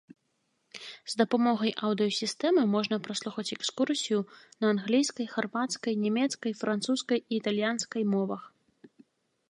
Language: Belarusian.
З дапамогай аўдыёсістэмы можна праслухаць экскурсію на англійскай, харвацкай, нямецкай, французскай і італьянскай мовах.